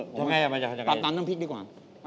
เราเป็นไงเราจับตำน้ำพริกดีกว่ามี